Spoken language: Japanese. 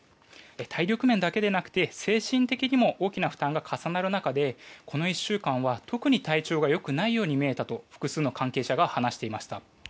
体力面だけでなくて、精神的にも大きな負担が重なる中で、この１週間は特に体調が良くないように見えたと複数の関係者が話していました。